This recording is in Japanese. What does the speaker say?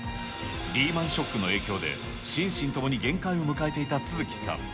リーマンショックの影響で、心身ともに限界を迎えていた續さん。